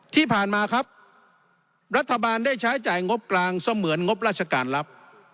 ที่ผ่านมาครับรัฐบาลได้ใช้จ่ายงบกลางเสมือนงบราชการรับ